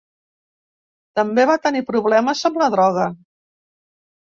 També va tenir problemes amb la droga.